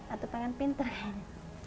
atau pengen pintar kayak gitu